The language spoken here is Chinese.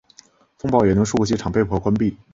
风暴也令数个机场被迫关闭。